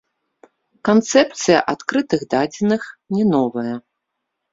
Канцэпцыя адкрытых дадзеных не новая.